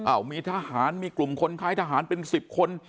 มีทหารมีกลุ่มคนคล้ายทหารเป็น๑๐คน